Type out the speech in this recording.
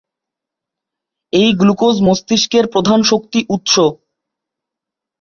এই গ্লুকোজ মস্তিষ্কের প্রধান শক্তি উৎস।